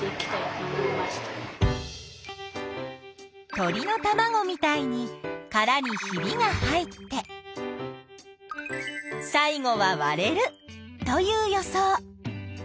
鳥のたまごみたいにカラにひびが入って最後はわれるという予想。